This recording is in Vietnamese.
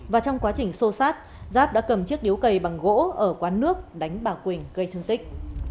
và trong quá trình xô sát giáp đã cầm chiếc điếu cây bằng gỗ ở quán nước đánh bà quỳnh gây thương tích